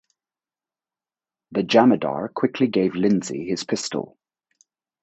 The jamadar quickly gave Lindsay his pistol.